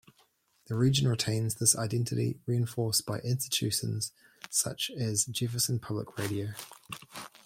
The region retains this identity reinforced by institutions such as Jefferson Public Radio.